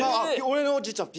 俺のじいちゃん